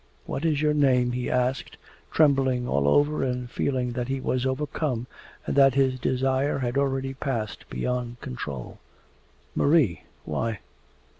'What is your name?' he asked, trembling all over and feeling that he was overcome and that his desire had already passed beyond control. 'Marie. Why?